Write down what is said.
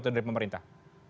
itu dari pemerintah